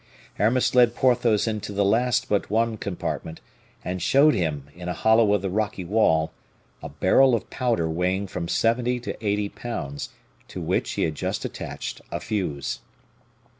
Aramis led Porthos into the last but one compartment, and showed him, in a hollow of the rocky wall, a barrel of powder weighing from seventy to eighty pounds, to which he had just attached a fuse.